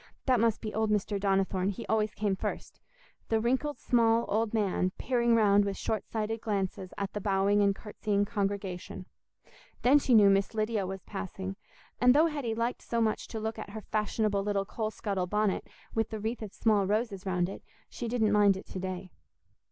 That must be old Mr. Donnithorne—he always came first, the wrinkled small old man, peering round with short sighted glances at the bowing and curtsying congregation; then she knew Miss Lydia was passing, and though Hetty liked so much to look at her fashionable little coal scuttle bonnet, with the wreath of small roses round it, she didn't mind it to day.